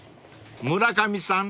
［村上さん